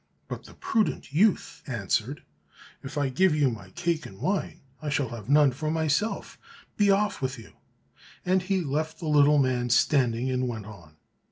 But the prudent youth answered, "If I give you my cake and wine, I shall have none for myself; be off with you," and he left the little man standing and went on.